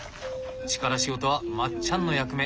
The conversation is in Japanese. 力仕事はまっちゃんの役目。